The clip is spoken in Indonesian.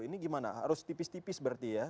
ini gimana harus tipis tipis berarti ya